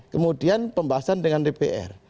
kemudian pembahasan dengan dpr